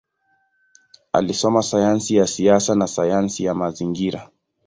Alisoma sayansi ya siasa na sayansi ya mazingira.